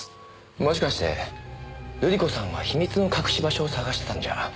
もしかして瑠璃子さんは秘密の隠し場所を探してたんじゃ。